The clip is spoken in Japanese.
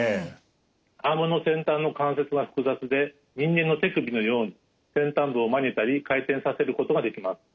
アームの先端の関節は複雑で人間の手首のように先端部を曲げたり回転させることができます。